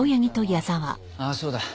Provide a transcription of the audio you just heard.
ああそうだ。